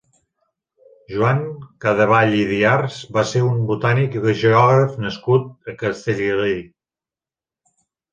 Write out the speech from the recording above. Joan Cadevall i Diars va ser un botànic i geògraf nascut a Castellgalí.